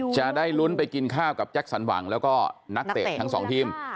จะได้ลุ้นไปกินข้าวกับแจ็คสันหวังแล้วก็นักเตะทั้งสองทีม